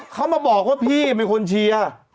เค้ามาบอกว่าพี่ไม่คุณเชียร์